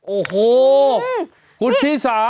โอ้โหคุณชีสา